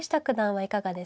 はい。